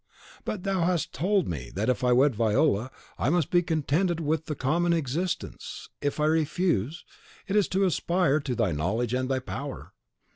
"But thou hast told me, that if I wed Viola, I must be contented with the common existence, if I refuse, it is to aspire to thy knowledge and thy power."